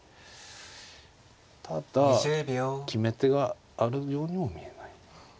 ただ決め手があるようにも見えない。